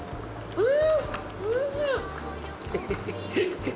うん！